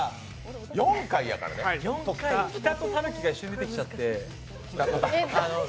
北とたぬきが一緒に出てきちゃって。